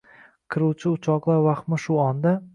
Qiruvchi uchoqlar vahmi shu onda